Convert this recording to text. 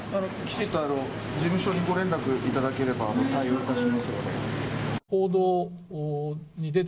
きちんと事務所にご連絡いただければ、対応いたしますので。